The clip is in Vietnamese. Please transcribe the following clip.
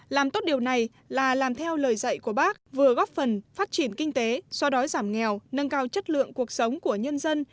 làm tốt điều này là làm theo lời dạy của bác vừa góp phần phát triển kinh tế xoa đói giảm nghèo nâng cao chất lượng cuộc sống của nhân dân